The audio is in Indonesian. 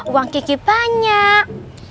uang kiki banyak